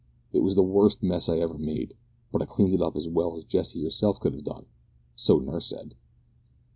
It was the worst mess I ever made, but I cleaned it up as well as Jessie herself could have done so nurse said."